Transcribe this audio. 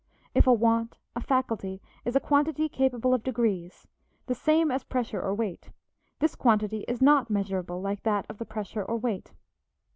If a want, a faculty, is a quantity capable of degrees, the same as pressure or weight, this quantity is not measurable like that of the pressure or weight.